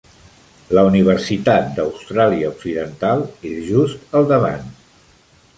La Universitat d'Austràlia Occidental és just al davant.